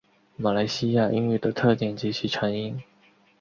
马来西亚英语的特点及其成因